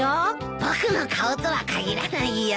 僕の顔とは限らないよ。